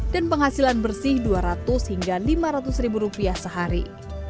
dan penghasilan bersih dua ratus hingga lima ratus ribu rupiah sehari